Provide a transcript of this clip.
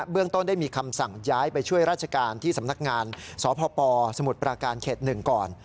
เรื่องต้นได้มีคำสั่งย้ายไปช่วยราชการที่สำนักงานสพปสมุทรปราการเขต๑ก่อน